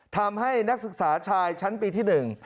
ทำให้นักศึกษาชายชั้นปีที่หนึ่ง